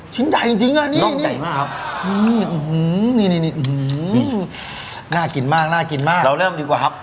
ชิ้นใหญ่จริงจริงอ่ะนี่นี่น่ากินมากน่ากินมากเราเริ่มดีกว่าครับ